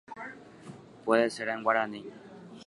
katu guaraníme sa'inunga ojeguereko ko'ã mba'e rehegua